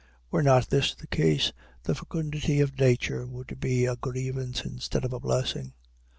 Were not this the case, the fecundity of nature would be a grievance instead of a blessing.